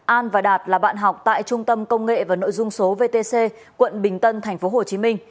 an và đạt là bạn học tại trung tâm công nghệ và nội dung số vtc quận bình tân tp hcm